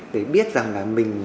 để biết rằng là mình